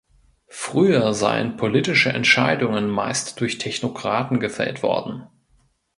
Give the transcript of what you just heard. Früher seien politische Entscheidungen meist durch Technokraten gefällt worden.